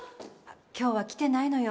今日は来てないのよ